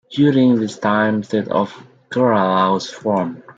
During this time state of Kerala was formed.